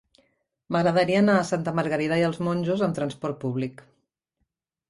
M'agradaria anar a Santa Margarida i els Monjos amb trasport públic.